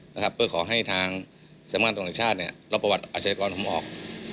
นะครับเพื่อขอให้ทางสำนักงานตรวจแห่งชาติเนี่ยรับประวัติอาชญากรผมออก